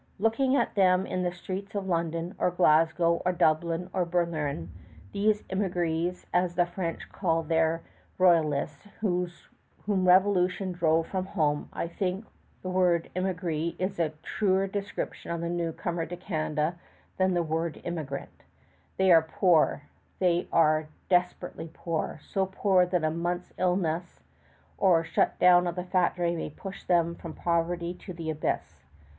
Look at them in the streets of London, or Glasgow, or Dublin, or Berlin, these émigrés, as the French called their royalists, whom revolution drove from home, and I think the word émigré is a truer description of the newcomer to Canada than the word "emigrant." They are {x} poor, they are desperately poor, so poor that a month's illness or a shut down of the factory may push them from poverty to the abyss.